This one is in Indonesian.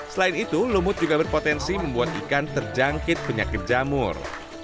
selain itu lumut juga berpotensi membuat ikan terjangkit penyakit jamur